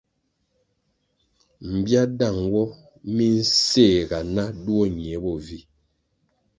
Mbiáh dang nwo mi nséhga na duo ñie bo vi.